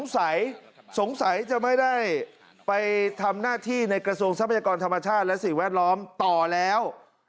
สงสัยสงสัยจะไม่ได้ไปทำหน้าที่ในกระทรวงทรัพยากรธรรมชาติและสิ่งแวดล้อมต่อแล้ว